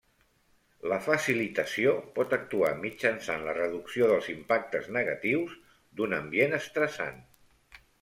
La facilitació pot actuar mitjançant la reducció dels impactes negatius d'un ambient estressant.